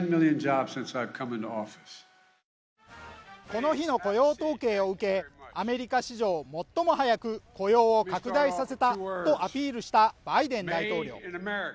この日の雇用統計を受けアメリカ史上最も早く雇用を拡大させたとアピールしたバイデン大統領。